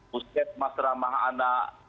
puset mas ramah anak